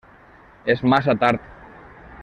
És massa tard.